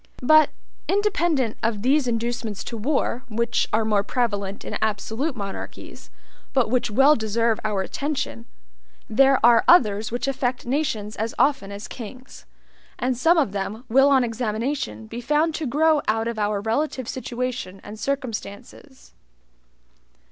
But, independent of these inducements to war, which are more prevalent in absolute monarchies, but which well deserve our attention, there are others which affect nations as often as kings; and some of them will on examination be found to grow out of our relative situation and circumstances.